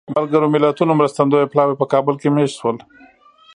ملګرو ملتونو مرستندویه پلاوی په کابل کې مېشت شول.